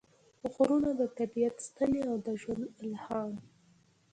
غرونه – د طبیعت ستنې او د ژوند الهام